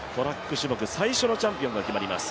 種目最初のチャンピオンが決まります。